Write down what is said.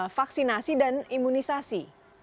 vaksinasi dan imunisasi